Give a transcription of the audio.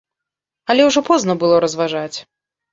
Але ўжо позна было разважаць.